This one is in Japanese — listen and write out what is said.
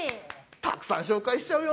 たくさん紹介しちゃうよ！